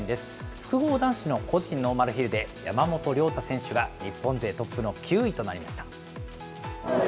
複合男子の個人ノーマルヒルで山本涼太選手が日本勢トップの９位となりました。